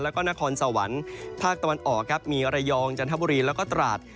แล้วก็นครสวรรค์ภาคตะวันออกครับมีระยองจันทบุรีแล้วก็ตราด